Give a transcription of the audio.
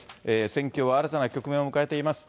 戦況は新たな局面を迎えています。